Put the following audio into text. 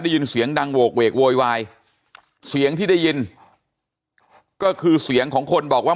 ได้ยินเสียงดังโหกเวกโวยวายเสียงที่ได้ยินก็คือเสียงของคนบอกว่า